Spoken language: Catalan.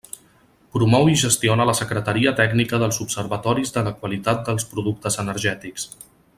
Promou i gestiona la Secretaria Tècnica dels Observatoris de la Qualitat dels productes energètics.